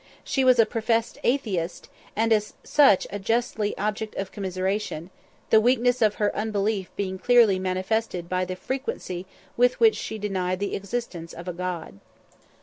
She was a professed atheist, and as such justly an object of commiseration, the weakness of her unbelief being clearly manifested by the frequency with which she denied the existence of a God.